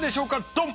ドン！